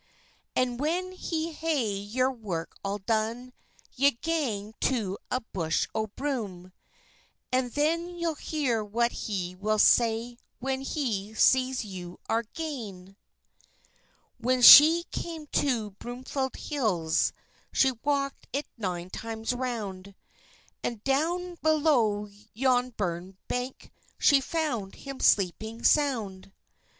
"And when he hae your work all done, Ye'll gang to a bush o' broom, And then you'll hear what he will say, When he sees ye are gane." When she came to Broomfield Hills, She walked it nine times round, And down below yon burn bank, She found him sleeping sound.